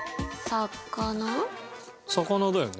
魚だよね。